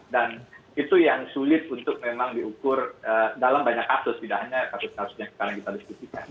dan itu yang sulit untuk memang diukur dalam banyak kasus tidak hanya kasus kasus yang sekarang kita diskusikan